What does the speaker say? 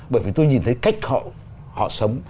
bởi vì tôi nhìn thấy cách họ sống